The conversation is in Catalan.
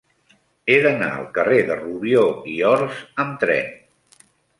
He d'anar al carrer de Rubió i Ors amb tren.